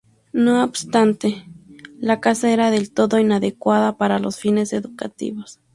No obstante, la casa era del todo inadecuada para los fines educativos.